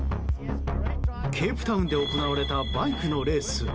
ケープタウンで行われたバイクのレース。